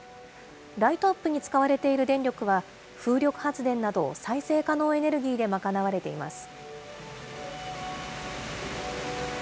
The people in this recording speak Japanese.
ライトアップに使われている電力は、風力発電など再生可能エネルギーで賄われています。